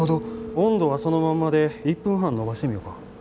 温度はそのままで１分半延ばしてみよか。